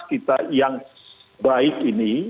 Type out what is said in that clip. kita yang baik ini